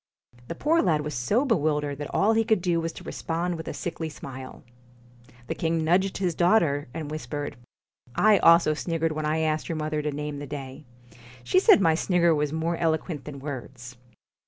The poor lad was so bewildered that all he could do was to respond with a sickly smile. The king nudged his daughter, and whispered: ' I also sniggered when I asked your mother to name the day. She said my snigger was more eloquent than words.'